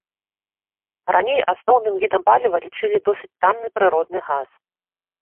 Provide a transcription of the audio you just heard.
Раней асноўным відам паліва лічылі досыць танны прыродны газ.